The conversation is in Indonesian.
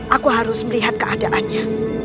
aku harus melihat keadaannya